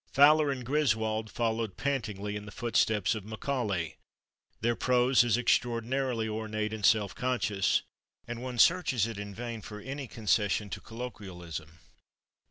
Fowler and Griswold followed pantingly in the footsteps of Macaulay; their prose is extraordinarily ornate and self conscious, and one searches it in vain for any concession to colloquialism.